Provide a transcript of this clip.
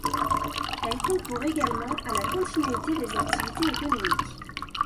Elle concourt également à la continuité des activités économiques.